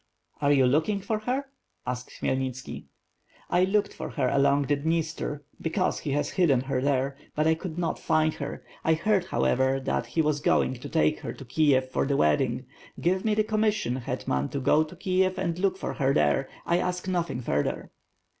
"Are you looking for her?" asked Khmyelnitski. "I looked for her along the Dniester, because he has hidden WITH FIRE AND SWORD. 51^ her there; but I could not find her. I heard, however, that he was going to take her to Kiev for the wedding. Give me the commission, hetman, to go to Kiev and look for her there. I ask nothing further.''